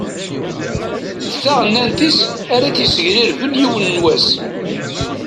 D taɣennant-is ara t-issegrirben yiwen n wass.